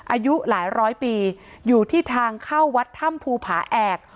อายุหลายร้อยปีอยู่ที่ทางเข้าวัดถ้ำภูผาแอก